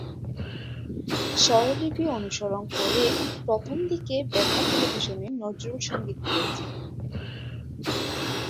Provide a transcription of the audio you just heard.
স্বরলিপি অনুসরণ করেই প্রথম দিকে বেতার-টেলিভিশনে নজরুল-সঙ্গীত গেয়েছেন।